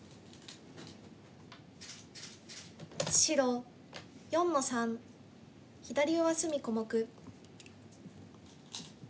白４の三左上隅小目。